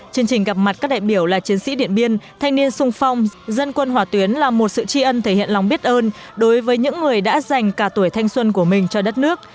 chương trình gặp mặt các đại biểu là chiến sĩ điện biên thanh niên sung phong dân quân hỏa tuyến là một sự tri ân thể hiện lòng biết ơn đối với những người đã dành cả tuổi thanh xuân của mình cho đất nước